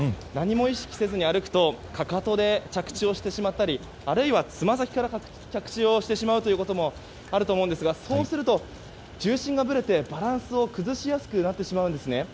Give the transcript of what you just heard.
何も意識せずに歩くとかかとで着地をしてしまったりあるいは、つま先から着地をしてしまうことがあると思うんですがそうすると重心がずれてバランスを崩しやすくなってしまうんですね。